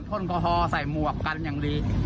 ท่วนโทษใส่หมวกกันอย่างดี